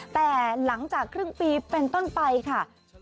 แต่หลังจากครึ่งปีเป็นต้นไปค่ะ